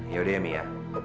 ya udah ya mia